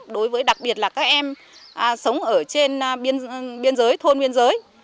đối với đặc biệt là các em sống ở trên biên giới thôn biên giới